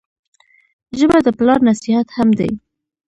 ژبه د پلار نصیحت هم دی